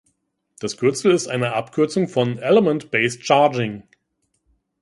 Das Kürzel ist eine Abkürzung von "element based charging".